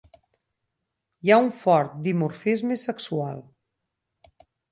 Hi ha un fort dimorfisme sexual.